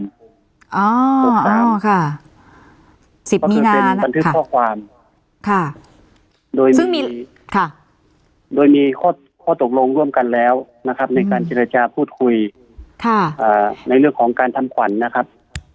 ก็คือเป็นบันทึกข้อความโดยมีข้อตกลงร่วมกันแล้วนะครับในการเจรจาพูดคุยในเรื่องของการทำขวัญนะครับ